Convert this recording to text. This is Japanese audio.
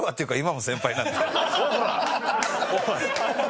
おい！